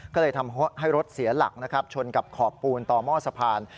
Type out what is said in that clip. ก็เลยทำให้รถเสียหลักนะครับชนกับขอบปูนต่อหม้อสะพาน